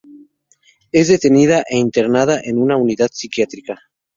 Es detenida e internada en una unidad psiquiátrica.